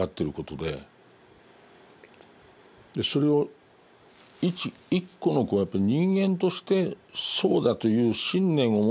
それを一個のやっぱ人間としてそうだという信念を持って説かないと。